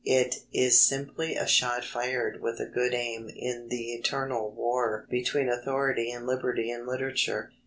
It is simply a shot fired with a good aim in the eternal war between authority and liberty in literature.